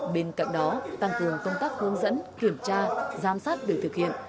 bên cạnh đó tăng cường công tác hướng dẫn kiểm tra giám sát việc thực hiện